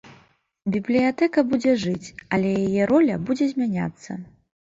Бібліятэка будзе жыць, але яе роля будзе змяняцца.